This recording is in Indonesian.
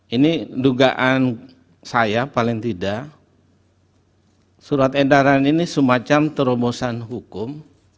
ini dugaan saya paling tidak surat edaran ini semacam terobosan hukum